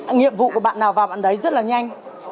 nhiệm vụ của bạn nào vào bản đáy rất là nhanh